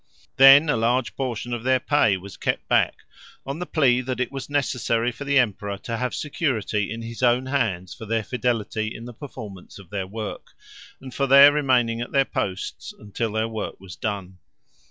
Then, a large portion of their pay was kept back, on the plea that it was necessary for the emperor to have security in his own hands for their fidelity in the performance of their work, and for their remaining at their posts until their work was done.